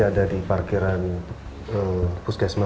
ada di parkiran puskesman